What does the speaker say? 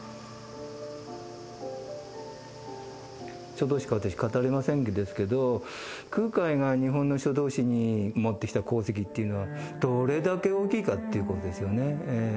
書道しか、私語れませんけれども、空海が日本の書道史に持ってきた功績というのが、どれだけ大きいかということですよね。